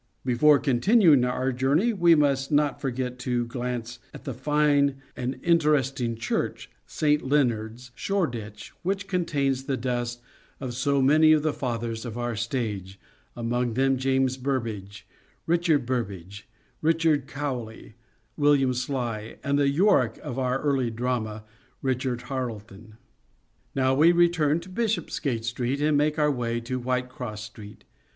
B ef or e continuing our j ourney we must not forget to glance at that fine and interesting church, St. Leonard's, Shoreditch, which con tains the dust of so many of the fathers of our stage, among them James Burbage, Richard Burbage, Richard Cowley, William Sly, and that Yorick of our early drama, Richard Tarleton. Now we return to Bishopsgate Street and make our way to Whitecross Street.